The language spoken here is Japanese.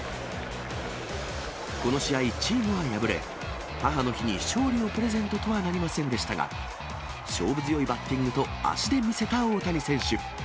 この試合、チームは敗れ、母の日に勝利をプレゼントとはなりませんでしたが、勝負強いバッティングと、足で見せた大谷選手。